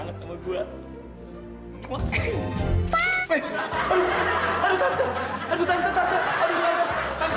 eh aduh aduh tante aduh tante tante aduh tante